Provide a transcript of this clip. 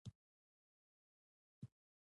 تر څو ملي یووالی لومړیتوب نه شي، هیڅ ګټه نشته.